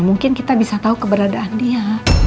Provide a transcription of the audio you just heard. mungkin kita bisa tahu keberadaan dia